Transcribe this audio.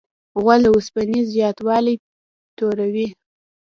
غول د اوسپنې زیاتوالی توروي.